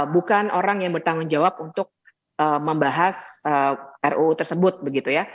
bukan orang yang bertanggung jawab untuk membahas ruu tersebut begitu ya